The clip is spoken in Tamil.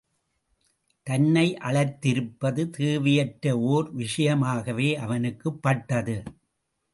தன்னை அழைத்திருப்பது தேவையற்ற ஓர் விஷயமாகவே அவனுக்குப் பட்டது.